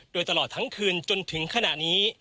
โดยตลอดทั้งคืนจนถึงขณะนี้